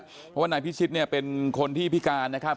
เพราะว่านายพิชิตเนี่ยเป็นคนที่พิการนะครับ